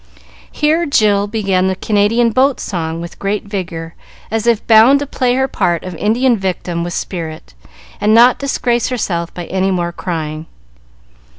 Here Jill began the Canadian boat song, with great vigor, as if bound to play her part of Indian victim with spirit, and not disgrace herself by any more crying.